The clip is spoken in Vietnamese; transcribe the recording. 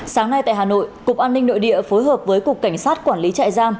sáng nay tại hà nội cục an ninh nội địa phối hợp với cục cảnh sát quản lý trại giam